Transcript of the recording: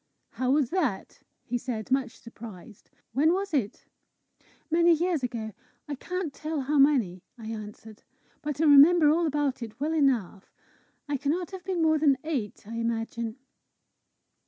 "How was that?" he said, much surprised. "When was it?" "Many years ago I cannot tell how many," I answered. "But I remember all about it well enough. I cannot have been more than eight, I imagine."